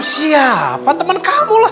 siapa temen kamu lah